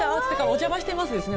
お邪魔してます。